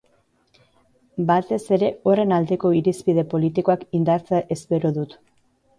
Batez ere horren aldeko irizpide politikoak indartzea espero dut.